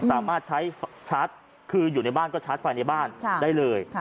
สามารถใช้ชาร์จคืออยู่ในบ้านก็ชาร์จไฟในบ้านได้เลย